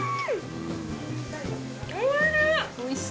おいしい！